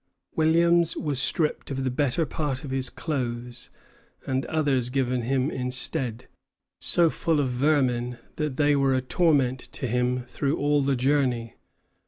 Williams was stripped of the better part of his clothes, and others given him instead, so full of vermin that they were a torment to him through all the journey.